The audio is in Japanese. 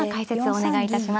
お願いいたします。